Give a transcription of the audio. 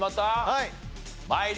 はい。